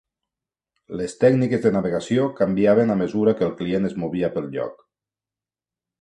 Les tècniques de navegació canviaven a mesura que el client es movia pel lloc.